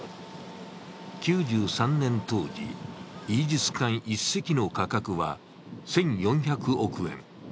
９３年当時、イージス艦１隻の価格は１４００億円。